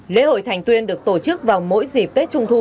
lễ hội thành tuyên được tổ chức vào mỗi dịp tết trung thu